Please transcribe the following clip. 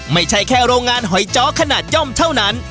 ไม่ใช่แค่โรงงานหอยจ้อขนาดย่อมเท่านั้น